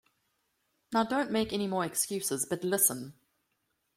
Now don’t make any more excuses, but listen!